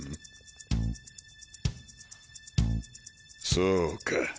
そうか。